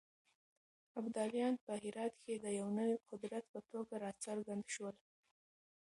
ابدالیان په هرات کې د يو نوي قدرت په توګه راڅرګند شول.